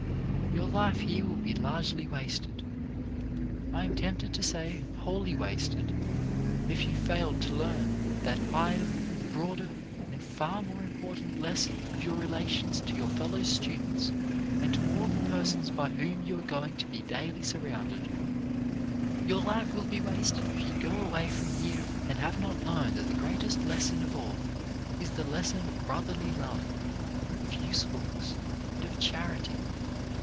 Your life here will be largely wasted — I am tempted to say wholly wasted — if you fail to learn that higher, broader, and far more important lesson of your relations to your fellow students and to all the persons by whom you are 2 3 o CHARACTER BUILDING going to be daily surrounded. Your life will be wasted if you go away from here and have not learned that the greatest lesson of all is the lesson of brotherly love, of usefulness and of charity.